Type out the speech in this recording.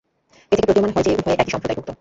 এ থেকে প্রতীয়মান হয় যে, উভয়ে একই সম্প্রদায়ভুক্ত।